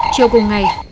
chiều cùng ngày